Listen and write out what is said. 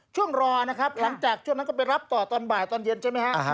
ช่วงรอนะครับหลังจากช่วงนั้นก็ไปรับต่อตอนบ่ายตอนเย็นใช่ไหมฮะ